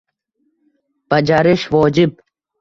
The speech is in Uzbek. Bajarish “vojib”.